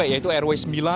yaitu rw sembilan